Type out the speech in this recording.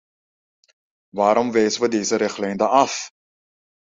Waarom wijzen we deze richtlijn dan af?